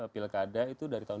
pilkada itu dari tahun dua ribu